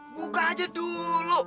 buka aja dulu